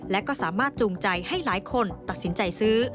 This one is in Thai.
และก็สามารถจูงใจให้หลายคนตัดสินใจซื้อ